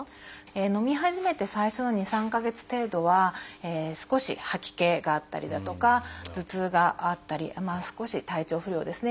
のみ始めて最初の２３か月程度は少し吐き気があったりだとか頭痛があったり少し体調不良ですね。